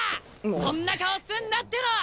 そんな顔すんなっての！